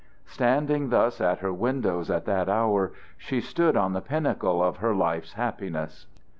Standing thus at her windows at that hour, she stood on the pinnacle of her life's happiness.